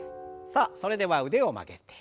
さあそれでは腕を曲げて。